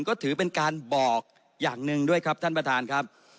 ก็ถือเป็นการบอกอย่างหนึ่งด้วยครับท่านประธานครับ